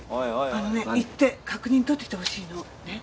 あのね行って確認取ってきてほしいの。ね？